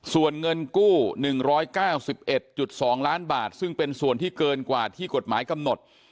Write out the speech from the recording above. ส่วนเงินกู้๑๙๑๒ล้านบาทซึ่งเป็นส่วนที่เกินกว่าที่กฎหมายกำหนด